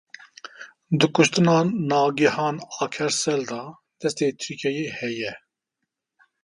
Di kuştina Nagihan Akarsel de destê Tirkiyeyê heye.